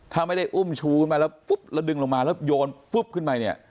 ถ้าไม่ได้อุ้มชูขึ้นมาแล้วปุ๊บแล้วดึงลงมาแล้วโยนปุ๊บขึ้นไปเนี่ย